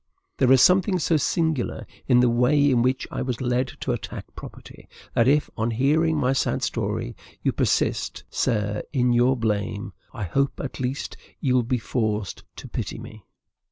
There is something so singular in the way in which I was led to attack property, that if, on hearing my sad story, you persist, sir, in your blame, I hope at least you will be forced to pity me.